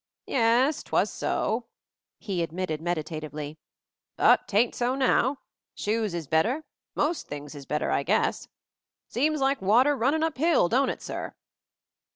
"Yes, 'twas so," he admitted meditatively. "But 'tain't so now. Shoes is better, most things is better, I guess. Seems like water runnin' up hill, don't it, sir?"